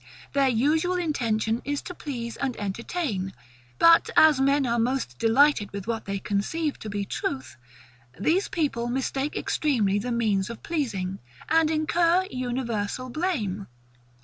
Their usual intention is to please and entertain; but as men are most delighted with what they conceive to be truth, these people mistake extremely the means of pleasing, and incur universal blame.